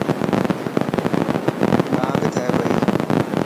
ٻانگ ٿي پئي.